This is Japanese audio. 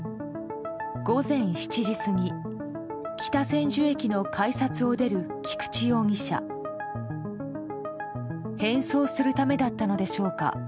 午前７時過ぎ北千住駅の改札を出る菊池容疑者。変装するためだったのでしょうか。